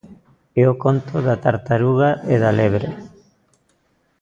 É o conto da tartaruga e da lebre.